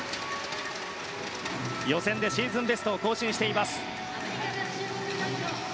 予選でシーズンベストを更新しています。